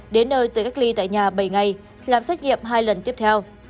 đến nơi tự cách ly tại nhà bảy ngày làm xét nghiệm hai lần tiếp theo